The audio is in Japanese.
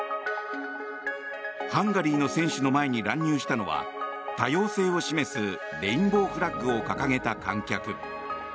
ハンガリーの選手の前に乱入したのは、多様性を示すレインボーフラッグを掲げた観客。